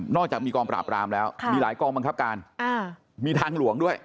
อกจากมีกองปราบรามแล้วมีหลายกองบังคับการมีทางหลวงด้วย